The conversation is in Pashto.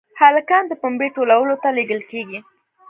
هلکان د پنبې ټولولو ته لېږل کېږي.